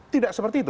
tidak seperti itu